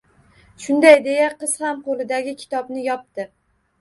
Shunday deya qiz ham, qo’lidagi kitobni yopdi.